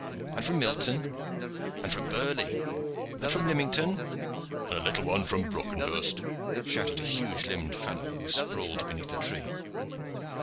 "And from Milton!" "And from Burley!" "And from Lymington!" "And a little one from Brockenhurst!" shouted a huge limbed fellow who sprawled beneath a tree.